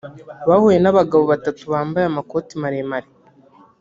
bahuye n’abagabo batatu bambaye amakoti maremare